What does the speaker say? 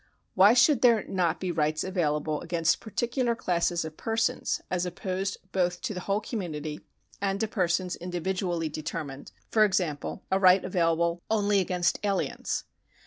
Why should there not be rights available against particular classes of persons, as opposed both to the whole community and to persons individually determined, for example, a right available only against aliens